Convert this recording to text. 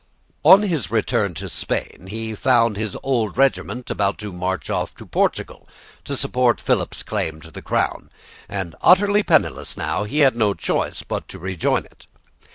On his return to Spain he found his old regiment about to march for Portugal to support Philip's claim to the crown, and utterly penniless now, had no choice but to rejoin it.